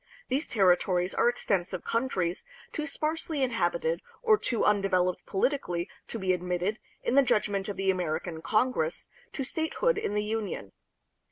These territories are extensive countries, too sparsely inhabited or too un developed politically to be admitted, in the judgment of the American Congress, to statehood in the Union.